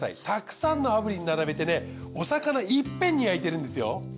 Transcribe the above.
たくさんの炙輪並べてねお魚いっぺんに焼いてるんですよ。